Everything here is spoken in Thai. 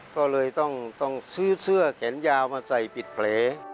ก็เลยต้องซื้อเสื้อแขนยาวมาใส่ปิดเปรย์